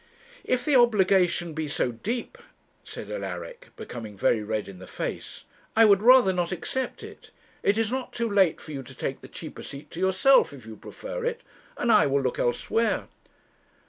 'If the obligation be so deep,' said Alaric, becoming very red in the face, 'I would rather not accept it. It is not too late for you to take the cheaper seat to yourself, if you prefer it; and I will look elsewhere.'